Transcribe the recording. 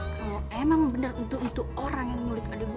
kalau emang bener itu orang yang nyulik adik gue